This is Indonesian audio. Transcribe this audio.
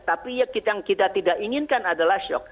tapi yang kita tidak inginkan adalah shock